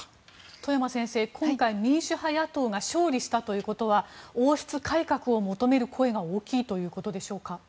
外山先生、今回民主派野党が勝利したということは王室改革を求める声が大きいということでしょうか？